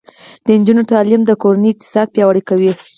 د نجونو تعلیم د کورنۍ اقتصاد پیاوړی کوي.